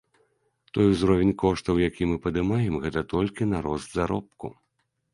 Той узровень коштаў, які мы падымаем, гэта толькі на рост заробку.